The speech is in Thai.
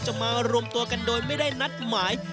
มารวมตัวกันโดยไม่ได้นัดหมาย